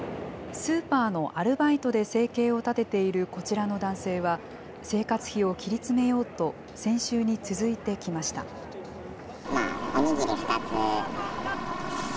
スーパーのアルバイトで生計を立てているこちらの男性は、生活費を切り詰めようと、先週に続いて来ました。